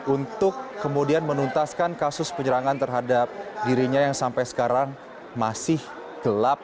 untuk kemudian menuntaskan kasus penyerangan terhadap dirinya yang sampai sekarang masih gelap